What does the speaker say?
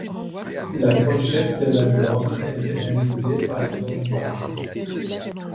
La pochette de l'album est réalisée par John Bars.